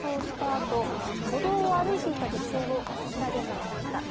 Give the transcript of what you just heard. あと歩道を歩いていた女性をこちらではねました。